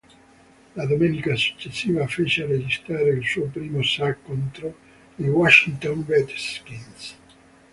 La domenica successiva fece registrare il suo primo sack contro i Washington Redskins.